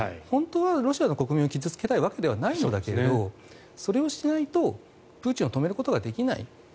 本当はロシアの国民を傷付けたいわけではないけれどそれをしないとプーチンを止めることができない。